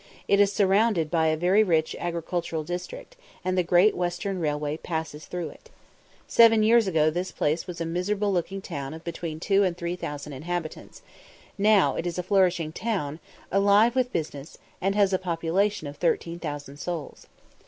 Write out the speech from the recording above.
It is surrounded by a very rich agricultural district, and the Great Western Railway passes through it. Seven years ago this place was a miserable looking village of between two and three thousand inhabitants; now it is a flourishing town, alive with business, and has a population of 13,000 souls.